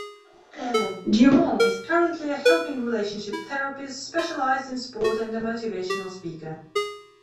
Dumont is currently a helping relationship therapist specialized in sport and a motivational speaker.